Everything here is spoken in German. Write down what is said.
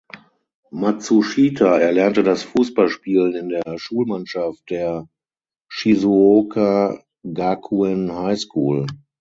Matsushita erlernte das Fußballspielen in der Schulmannschaft der "Shizuoka Gakuen High School".